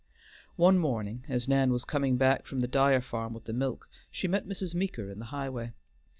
One morning, as Nan was coming back from the Dyer farm with the milk, she met Mrs. Meeker in the highway.